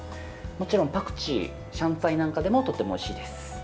もちろんパクチーシャンツァイなんかでもとてもおいしいです。